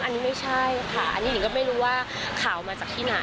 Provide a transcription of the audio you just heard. อันนี้ไม่ใช่ค่ะอันนี้หิงก็ไม่รู้ว่าข่าวมาจากที่ไหน